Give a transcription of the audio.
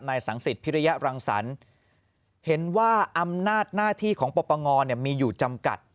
สังสิทธิพิริยรังสรรค์เห็นว่าอำนาจหน้าที่ของปปงมีอยู่จำกัด